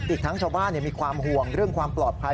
อีกทั้งชาวบ้านมีความห่วงเรื่องความปลอดภัย